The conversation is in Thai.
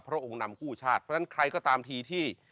พระองค์นำกู้ชาติเพราะฉะนั้นใครก็ตามทีที่